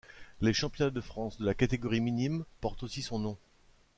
Les championnats de France de la catégorie minimes portent aussi son nom.